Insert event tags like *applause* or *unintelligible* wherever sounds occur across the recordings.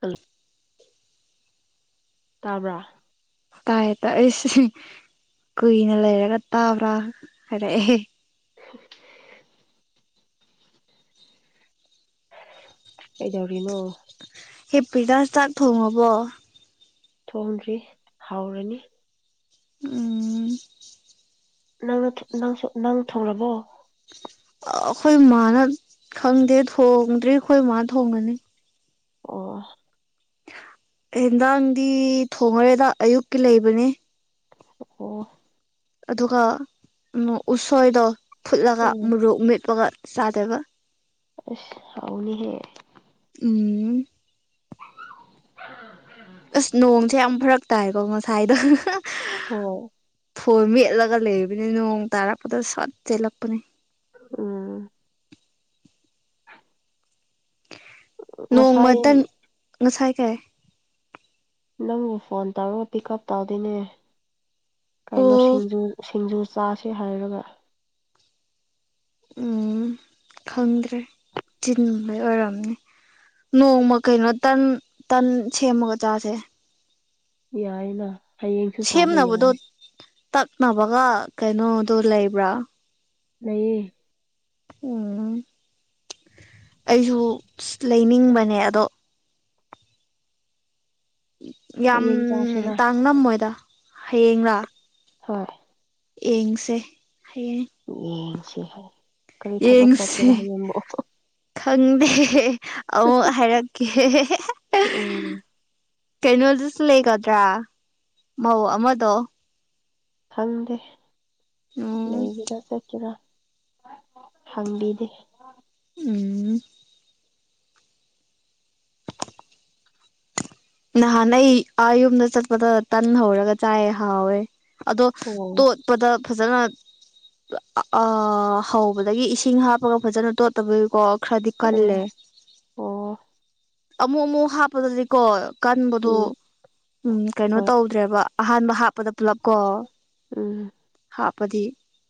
hello ꯇꯥꯕ꯭ꯔꯥ ꯇꯥꯏ ꯇꯥꯛ ꯑꯩꯏꯁꯦ ꯀꯨꯏꯅ ꯂꯩꯔꯒ ꯇꯥꯕ꯭ꯔꯥ ꯍꯥꯏꯔꯛꯑꯦ *unintelligible* ꯑꯩꯗꯎꯔꯤꯅꯣ ꯍꯦ ꯄꯤꯗꯇꯥꯛ ꯊꯣꯡꯉꯕꯣ ꯊꯣꯡꯗ꯭ꯔꯤ ꯍꯥꯎꯔꯅꯤ ꯎ ꯅꯪꯅ ꯅꯪ ꯅꯪ ꯊꯨꯡꯔꯕꯣ ꯑꯩꯈꯣꯏ ꯃꯥꯅ ꯈꯪꯗꯦ ꯊꯣꯡꯗ꯭ꯔꯔꯤ ꯑꯩꯈꯣꯏ ꯃꯥꯅ ꯊꯣꯡꯒꯅꯤ ꯑꯣ ꯍꯦꯟꯗꯥꯡꯗꯤ ꯊꯣꯡꯉꯔꯦꯗ ꯑꯌꯨꯛꯀꯤ ꯂꯩꯕꯅꯦ ꯑꯣ ꯑꯗꯨꯒ ꯎꯁꯣꯏꯗꯣ ꯐꯨꯠꯂꯒ ꯎꯝ ꯃꯣꯔꯣꯛ ꯃꯦꯠꯄꯒ ꯁꯥꯗꯕ ꯑꯁ ꯑꯥꯎꯅꯤ ꯍꯦ ꯎꯝ ꯎꯝ ꯎꯝ ꯑꯁ ꯅꯣꯡꯁꯦ ꯌꯥꯝ ꯐꯔꯛ ꯇꯥꯏꯀꯣ ꯉꯁꯥꯏꯗꯣ ꯑꯣ ꯐꯣꯏ ꯃꯦꯠꯂꯒ ꯂꯩꯕꯅꯤ ꯅꯣꯡ ꯇꯥꯔꯛꯄꯗ ꯁꯠ ꯆꯦꯜꯂꯛꯄꯅꯦ ꯎꯝ ꯑ ꯅꯣꯡꯃꯇꯪ ꯉꯁꯥꯏ ꯀꯩ ꯅꯪꯕꯨ ꯐꯣꯟ ꯇꯧꯔꯣ ꯄꯤꯛ ꯎꯞ ꯇꯧꯗꯣꯏꯅꯦ ꯀꯩꯅꯣ ꯑꯣ ꯁꯤꯡꯖꯨ ꯁꯤꯡꯖꯨ ꯆꯥꯁꯦ ꯍꯥꯏꯔꯒ ꯎꯝ ꯈꯪꯗ꯭ꯔꯦ ꯆꯤꯟꯕꯩ ꯑꯣꯏꯔꯝꯅꯤ ꯅꯣꯡ ꯃꯀꯩꯅ ꯇꯟ ꯇꯟꯃ ꯆꯥꯥꯁꯦ ꯌꯥꯏꯅ ꯍꯌꯦꯡꯁꯨ ꯆꯥꯕ ꯌꯥꯏ ꯁꯦꯝꯅꯕꯗꯣ ꯇꯛꯅꯕꯒ ꯀꯩꯅꯣꯗꯣ ꯂꯩꯕ꯭ꯔꯥ ꯂꯩꯌꯦ ꯎꯝ ꯑꯩꯁꯨ ꯂꯩꯅꯤꯡꯕꯅꯦ ꯑꯗꯣ ꯌꯥꯝ ꯍꯌꯦꯡ ꯆꯥꯁꯤꯔꯥ ꯇꯥꯡ ꯅꯝꯃꯣꯏꯗ ꯍꯌꯦꯡꯔꯥ ꯍꯣꯏ ꯌꯦꯡꯁꯦ ꯍꯌꯦꯡ ꯌꯦꯡꯁꯤ ꯍꯥꯏ ꯀꯔꯤ ꯊꯕꯛ ꯆꯠꯀꯦꯅ ꯍꯥꯏꯌꯦꯡꯕꯣ ꯈꯪꯗ ꯑꯃꯨꯛ ꯍꯥꯏꯔꯛꯀꯦ ꯎꯝ ꯀꯩꯅꯣꯗꯨꯁꯨ ꯂꯩꯒꯗ꯭ꯔꯥ ꯃꯧ ꯑꯃꯗꯣ ꯈꯪꯗꯦ ꯎꯝ ꯂꯩꯕꯤꯔꯥ ꯆꯠꯀꯦꯔꯥ ꯍꯪꯕꯤꯗꯤ ꯎꯝ ꯅꯍꯥꯟ ꯅ ꯑꯩ ꯑꯥ ꯌꯨꯝꯗ ꯆꯠꯄꯗ ꯇꯟ ꯍꯧꯔꯒ ꯆꯥꯏ ꯍꯥꯎꯋꯦ ꯑꯗꯣ ꯑꯣ ꯇꯣꯄꯗ ꯐꯖꯅ ꯍꯧꯕꯗꯒꯤ ꯏꯁꯤꯡ ꯍꯥꯞꯄꯒ ꯐꯖꯅ ꯇꯣꯠꯇꯕꯒꯤꯀꯣ ꯈꯔꯗꯤ ꯑꯣ ꯀꯜꯂꯦ ꯑꯣ ꯑꯃꯨꯛ ꯑꯃꯨꯛ ꯍꯥꯞꯄꯗꯗꯤꯀꯣ ꯀꯟꯕꯗꯣ ꯎꯝ ꯎꯝ ꯀꯩꯅꯣ ꯍꯣꯏ ꯇꯧꯗ꯭ꯔꯦꯕ ꯑꯍꯥꯟꯕ ꯍꯥꯞꯄꯗ ꯄꯨꯂꯞꯀꯣ ꯎꯝ ꯍꯥꯞꯄꯗꯤ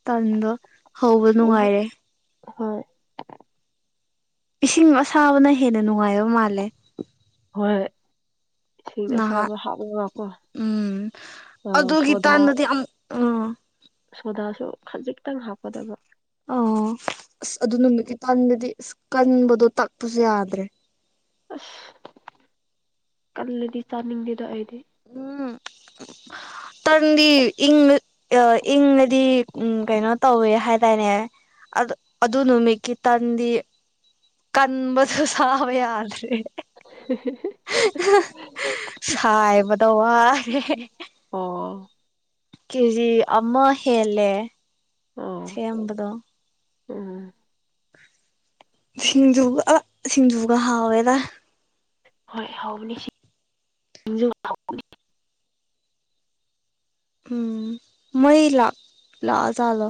ꯇꯟꯗꯣ ꯍꯧꯕ ꯎꯝ ꯅꯨꯡꯉꯥꯏꯔꯦ ꯍꯣꯏ ꯏꯁꯤꯡ ꯑꯁꯥꯕꯅ ꯍꯦꯟꯅ ꯅꯨꯡꯉꯥꯏꯕ ꯃꯥꯜꯂꯦ ꯍꯣꯏ ꯏꯁꯤꯡ ꯅꯍꯥ ꯑꯁꯥꯕ ꯍꯥꯞꯂꯒꯀꯣ ꯎꯝ ꯑ ꯑꯗꯨꯗꯣ ꯒꯤꯤꯇꯥ ꯁꯣꯗꯥ ꯅ ꯑ ꯑꯥ ꯁꯣꯗꯥꯁꯨ ꯈꯖꯤꯛꯇꯪ ꯍꯥꯞꯀꯗꯕ ꯑꯣ ꯑꯁ ꯑꯗꯨ ꯅꯨꯃꯤꯠꯀꯤ ꯇꯟꯗꯗꯤ ꯑꯁ ꯀꯟꯕꯗꯣ ꯇꯛꯄꯁꯨ ꯌꯥꯗ꯭ꯔꯦ ꯑꯁ ꯀꯜꯂꯗꯤ ꯆꯥꯅꯤꯡꯗꯦꯗꯣ ꯑꯩꯗꯤ *inaudible* ꯇꯪꯗꯤ ꯏꯪ ꯏꯪꯉꯗꯤ ꯎꯝ ꯀꯩꯅꯣ ꯇꯧꯋꯦ ꯍꯥꯏꯇꯥꯔꯅꯦ ꯑ ꯑꯗꯨ ꯑꯗꯨꯅꯃꯤꯀꯤ ꯇꯗꯤ ꯅꯝꯕꯗꯨ ꯁꯦ ꯍꯥꯏ꯭ꯔꯦ ꯁꯥꯏꯕꯗ ꯋꯥꯔꯦ ꯑꯣ ꯀꯦꯖꯤ ꯑꯃ ꯍꯦꯜꯂꯦ ꯑꯣ ꯁꯦꯝꯕꯗꯣ ꯎꯝ ꯁꯤꯡꯖꯒ ꯁꯤꯡꯖꯨꯒ ꯍꯥꯥꯋꯦꯗ ꯍꯣꯏ ꯍꯥꯎꯕꯅꯤ ꯍꯅꯤ ꯎꯝ ꯃꯩ ꯂꯥꯛ ꯂ ꯆꯂ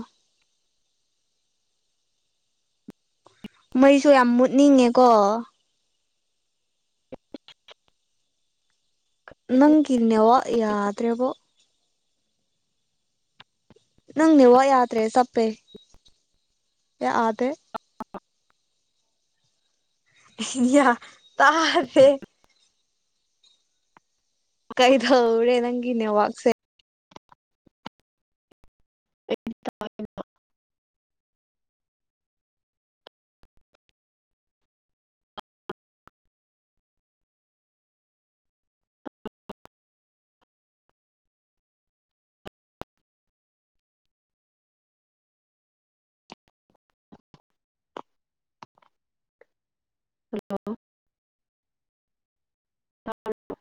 ꯃꯩꯁꯨ ꯌꯥꯝ ꯃꯨꯠꯅꯤꯡꯉꯦꯀꯣ ꯅꯪ ꯏꯗꯅꯦꯦ ꯋꯥꯣ ꯌꯥꯗ꯭ꯔꯦꯕꯣ ꯅꯪ ꯅꯦꯛꯋꯥꯛ ꯌꯥꯗ꯭ꯔꯦ ꯆꯞꯄꯦ ꯌꯥꯗꯦ ꯏꯌꯥ ꯇꯥꯔꯦ ꯀꯩꯗꯧꯔꯦ ꯅꯪꯒꯤ ꯅꯦꯋꯥꯥꯛꯁꯦ *inaudible* ꯍꯜꯂꯣ ꯑ